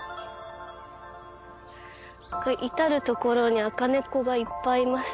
至る所に赤猫がいっぱいいます。